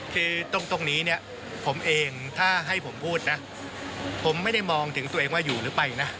คือตรงนี้เนี่ยผมเองถ้าให้ผมพูดนะผมไม่ได้มองถึงตัวเองว่าอยู่หรือไปนะ